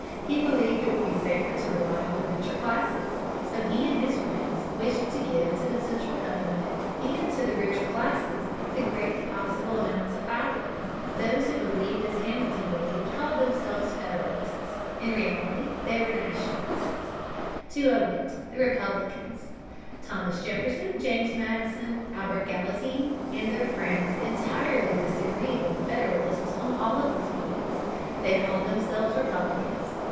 He believed it would be safer to rely on the richer classes. So he and his friends wished to give to the central government and to the richer classes the greatest possible amount of power. Those who believed as Hamilton believed called themselves Federalists. In reality they were Nationalists. [Sidenote: Formation of the Republican party.] 208. The Republicans. Thomas Jefferson, James Madison, Albert Gallatin, and their friends entirely disagreed with the Federalists on all of these points. They called themselves Republicans.